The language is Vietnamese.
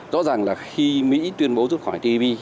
rõ ràng là khi mỹ tuyên bố rút khỏi tv